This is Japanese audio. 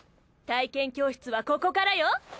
体験教室はここからよ。